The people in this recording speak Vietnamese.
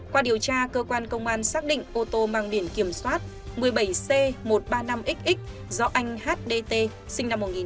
qua điều tra cơ quan công an xác định ô tô mang biển kiểm soát một mươi bảy c một trăm ba mươi năm x do anh hdt sinh năm một nghìn chín trăm tám mươi